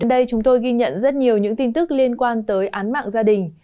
hôm nay chúng tôi ghi nhận rất nhiều những tin tức liên quan tới án mạng gia đình